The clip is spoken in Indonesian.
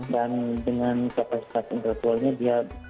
dan dengan kapasitas intertualnya dia